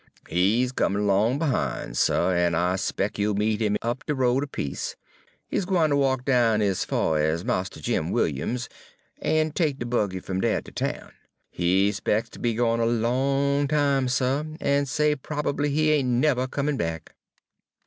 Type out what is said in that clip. "He's comin' 'long behin', suh, en I 'spec's you'll meet 'im up de road a piece. He 's gwine ter walk down ez fur ez Mistah Jim Williams's, en take de buggy fum dere ter town. He 'spec's ter be gone a long time, suh, en say prob'ly he ain' neber comin' back."